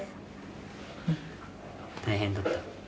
大変だった？